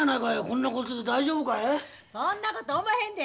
そんなことおまへんで。